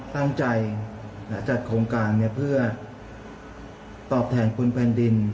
ตั้งใจจัดโครงการเพื่อตอบแทนคุณแผ่นดิน